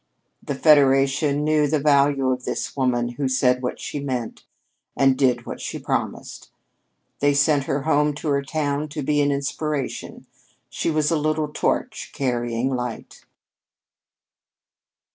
The Federation knew the value of this woman who said what she meant, and did what she promised. They sent her home to her town to be an inspiration. She was a little torch, carrying light.